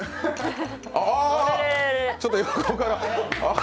ああ、ちょっと横から。